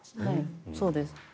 そうです。